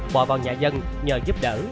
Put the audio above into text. bỏ vào nhà dân nhờ giúp đỡ